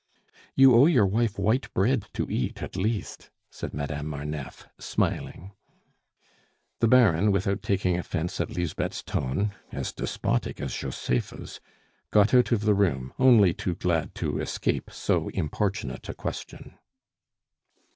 "You owe your wife white bread to eat at least," said Madame Marneffe, smiling. The Baron, without taking offence at Lisbeth's tone, as despotic as Josepha's, got out of the room, only too glad to escape so importunate a question.